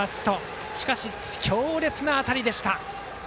しかし、強烈な当たりでした。